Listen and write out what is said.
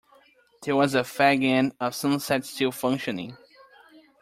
There was a fag-end of sunset still functioning.